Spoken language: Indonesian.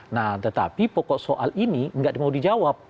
nah tetapi pokok soal ini nggak mau dijawab